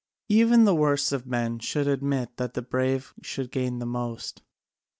Even the worst of men must admit that the brave should gain the most."